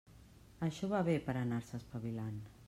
Això va bé per anar-se espavilant.